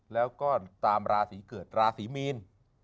แล้วก็ตามราศีเกิดราศีมีน